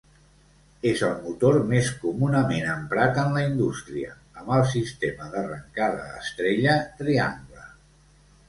És el motor més comunament emprat en la indústria, amb el sistema d'arrancada estrella triangle.